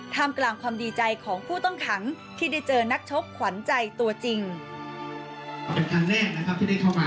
ทำกลางความดีใจของผู้ต้องขังที่ได้เจอนักชบขวัญใจตัวจริงเป็นทางแรกนะครับที่ได้เข้ามา